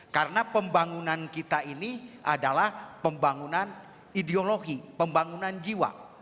karena pembangunan kita ini adalah pembangunan ideologi pembangunan jiwa